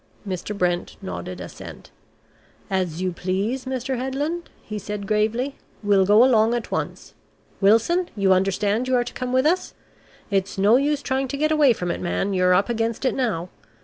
Mr. Brent nodded assent. "As you please, Mr. Headland," he said gravely. "We'll go along at once. Wilson, you understand you are to come with us? It's no use trying to get away from it, man, you're up against it now.